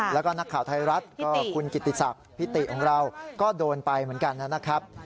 แล้วก็นักข่าวไทยรัฐก็คุณกิติศักดิ์พิติของเราก็โดนไปเหมือนกันนะครับ